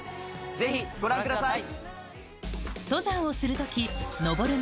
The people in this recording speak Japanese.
ぜひご覧ください。